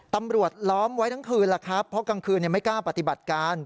ตำรวจล้อมไว้ทั้งคืนเพราะกลางคืนยังไม่กล้าปฏิบัติการ